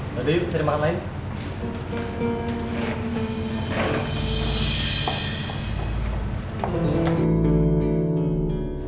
ayo yuk cari makan lain